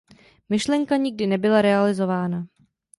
Myšlenka nikdy nebyla realizována.